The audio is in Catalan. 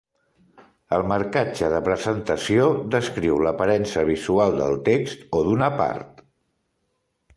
El marcatge de presentació descriu l'aparença visual del text o d'una part.